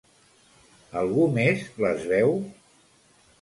Algú més les veu?